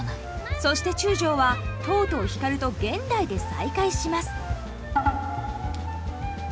そして中将はとうとう光と現代で再会します。